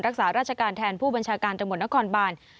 รักษาราชการแทนผู้บัญชาการตำรวจนครบาน